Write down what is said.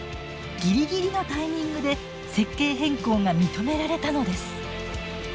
ギリギリのタイミングで設計変更が認められたのです。